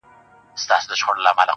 • دا هم له تا جار دی، اې وطنه زوروره.